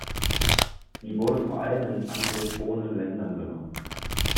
Sie wurde vor allem in anglophonen Ländern benutzt.